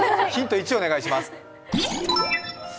１お願いします。